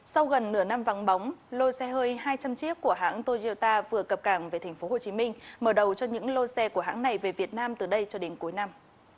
sau gần nửa năm vắng bóng lô xe hơi hai trăm linh chiếc của hãng toyota vừa cập cảng về tp hcm mở đầu cho những lô xe của hãng này về việt nam từ đây cho đến cuối năm